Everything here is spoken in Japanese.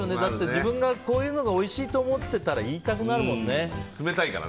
自分はこういうのがおいしいと思ってたら言いたくなるもんね。